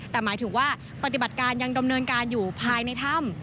แต่หมายถึงว่าปฏิบัติการยังดำเนินการอยู่ภายในถ้ำ